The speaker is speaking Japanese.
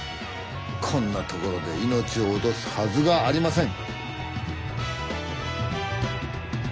こんなところで命を落とすはずがありません！